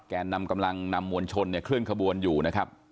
แกนนำกำลังนำวลชนเคลื่อนขบวนอยู่นะครับ